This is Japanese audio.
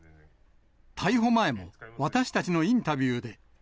逮捕前も、私たちのインタビューで。